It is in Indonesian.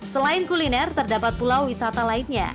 selain kuliner terdapat pulau wisata lainnya